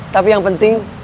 tapi yang penting